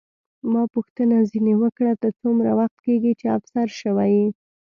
ما پوښتنه ځیني وکړه، ته څومره وخت کېږي چې افسر شوې یې؟